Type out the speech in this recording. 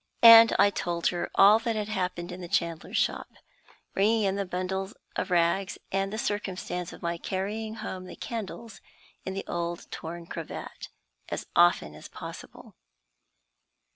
And I told her all that had happened in the chandler's shop, bringing in the bundle of rags, and the circumstance of my carrying home the candles in the old torn cravat, as often as possible.